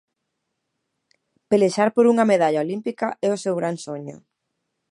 Pelexar por unha medalla olímpica é o seu gran soño.